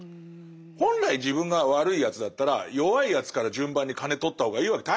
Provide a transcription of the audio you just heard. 本来自分が悪いやつだったら弱いやつから順番に金とった方がいいわけ。